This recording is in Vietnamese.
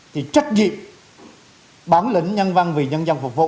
thì trách nhiệm bản lĩnh nhân văn vì nhân dân phục vụ